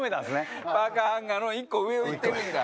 パーカーハンガーの１個上をいってるんだ。